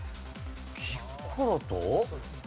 キッコロと？